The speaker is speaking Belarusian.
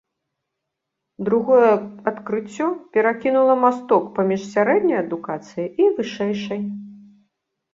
Другое адкрыццё перакінула масток паміж сярэдняй адукацыяй і вышэйшай.